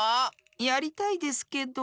やりたいですけど。